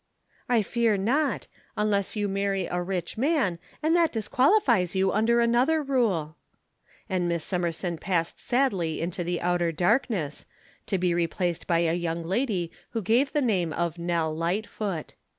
"I fear not: unless you marry a rich man, and that disqualifies you under another rule." And Miss Summerson passed sadly into the outer darkness, to be replaced by a young lady who gave the name of Nell Lightfoot.